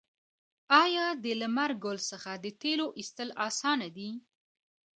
آیا د لمر ګل څخه د تیلو ایستل اسانه دي؟